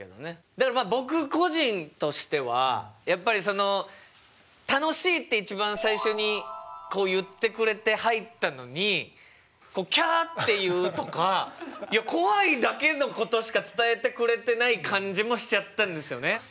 だからまあ僕個人としてはやっぱりその「楽しい」って一番最初に言ってくれて入ったのに「キャ」って言うとかいや怖いだけのことしか伝えてくれてない感じもしちゃったんですよね。